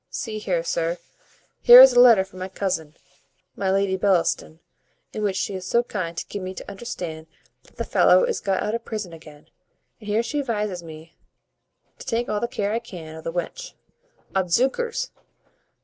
See here, sir, here is a letter from my cousin, my Lady Bellaston, in which she is so kind to gi' me to understand that the fellow is got out of prison again; and here she advises me to take all the care I can o' the wench. Odzookers!